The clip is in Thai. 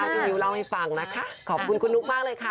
พี่มิ้วเล่าให้ฟังนะคะขอบคุณคุณนุ๊กมากเลยค่ะ